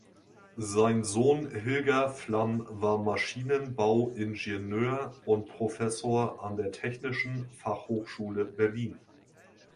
Sein Sohn Hilger Flamm war Maschinenbauingenieur und Professor an der Technischen Fachhochschule Berlin.